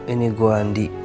ini gua andi